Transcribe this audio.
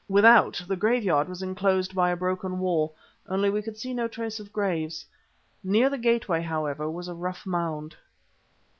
Without, the graveyard was enclosed by a broken wall, only we could see no trace of graves. Near the gateway, however, was a rough mound.